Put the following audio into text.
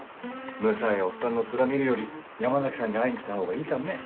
むさいおっさんのツラ見るより山崎さんに会いに来たほうがいいじゃんね。